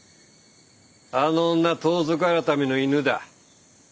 あの女盗賊改の犬だ。